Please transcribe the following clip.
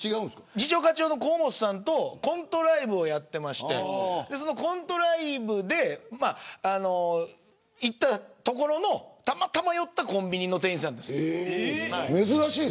次長課長の河本さんとコントライブをやっていましてそのコントライブで行った所の、たまたま寄ったコンビニの店員さんです。